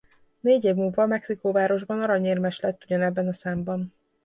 Négy év múlva Mexikóvárosban aranyérmes lett ugyanebben a számban.